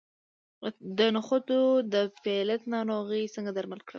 د نخودو د پیلټ ناروغي څنګه درمل کړم؟